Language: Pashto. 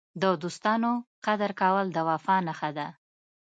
د دوستانو قدر کول د وفا نښه ده.